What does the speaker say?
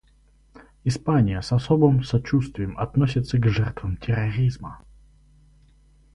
Испания с особым сочувствием относится к жертвам терроризма.